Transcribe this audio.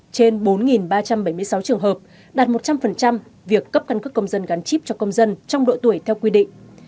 trong bảy mươi sáu trường hợp đạt một trăm linh việc cấp căn cước công dân gắn chip cho công dân trong độ tuổi theo quy định